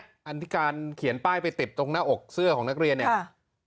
อันที่การเขียนป้ายไปติดตรงหน้าอกเสื้อของนักเรียนเนี่ย